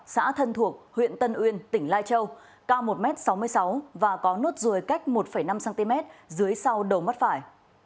xã thân thuộc huyện tân uyên tỉnh lai châu cao một m sáu mươi sáu và có nốt ruồi cách một năm cm dưới sau đầu mắt phải